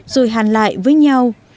rồi hàn lại với nhau